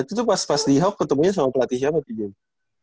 itu tuh pas di hawk ketemunya sama pelatihnya apa itu james